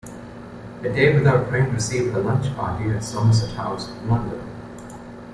"A Day Without Rain" received a launch party at Somerset House, London.